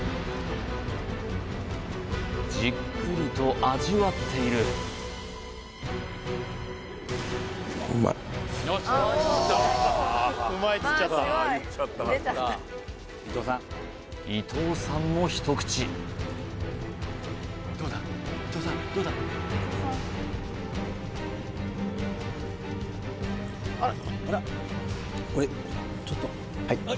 じっくりと味わっている伊藤さんも一口これちょっとはいああ